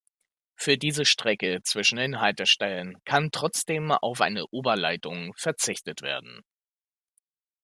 Für die Strecke zwischen den Haltestellen kann trotzdem auf eine Oberleitung verzichtet werden.